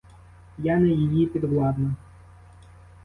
Я не її підвладна.